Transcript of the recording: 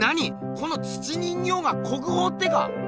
この土人形が国宝ってか？